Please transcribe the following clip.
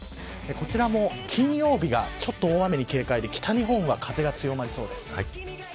こちらも金曜日が大雨に警戒で北日本は風が強まりそうです。